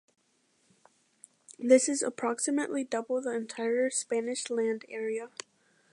This is approximately double the entire Spanish land area.